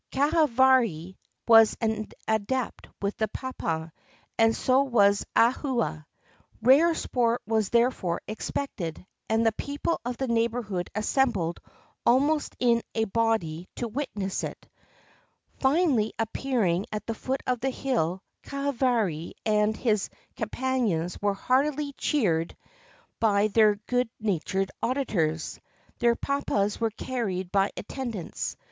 Kahavari was an adept with the papa, and so was Ahua. Rare sport was therefore expected, and the people of the neighborhood assembled almost in a body to witness it. Finally appearing at the foot of the hill, Kahavari and his companions were heartily cheered by their good natured auditors. Their papas were carried by attend ants.